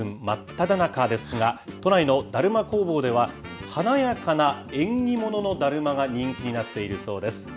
真っただ中ですが、都内のだるま工房では、華やかな縁起物のだるまが人気になっているそうです。